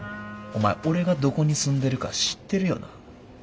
お前俺がどこに住んでるか知ってるよな？